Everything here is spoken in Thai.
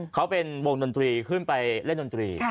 เขาเป็นวงดนตรีขึ้นไปเล่นดนตรี